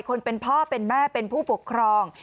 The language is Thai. คนเป็นพ่อเป็นแม่เป็นผู้ปกครอง